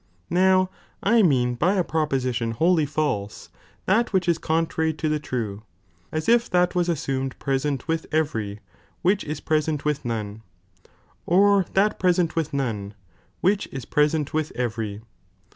Now I ■ Mupnipa mean by a propoaition wholly false that which is ""' contrary (to the true), as if thatwasassumed pre sent with every, which ia preaent with none, or that present with none, which is preaent with every.